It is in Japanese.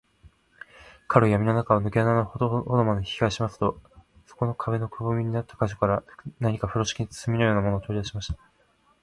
彼はやみの中を、ぬけ穴の中ほどまで引きかえしますと、そこの壁のくぼみになった個所から、何かふろしき包みのようなものを、とりだしました。